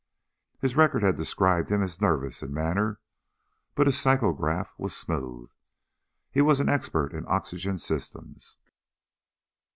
His record had described him as nervous in manner but his psychograph was smooth. He was an expert in oxygen systems.